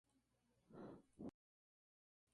A las afueras del pueblo está la ermita de Santa María.